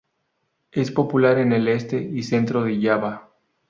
Es popular en el este y centro de Java.